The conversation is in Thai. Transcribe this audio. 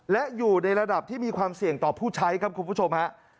และอยู่ในระดับที่มีความเสี่ยงต่อผู้ใช้ครับคุณผู้ชมฮะ